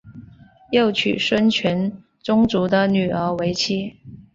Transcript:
又娶孙权宗族的女儿为妻。